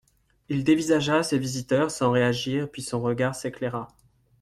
Il dévisagea ses visiteurs sans réagir puis son regard s’éclaira.